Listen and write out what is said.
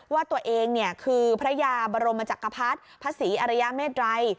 ว่าตัวเองคือพระยาบรมจักรพรรดิพระศรีอรยาเมตรัย